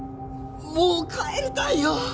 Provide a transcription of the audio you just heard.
もう帰りたいよ！